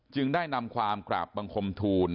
จึงได้นำความกราบบังคมทูล